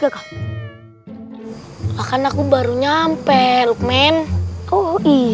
kakak kakak baru nyampe lukman oh iya aku suruh kemana ya